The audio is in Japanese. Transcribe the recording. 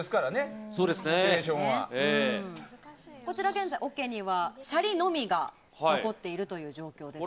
現在、桶にはシャリのみが残っている状況ですね。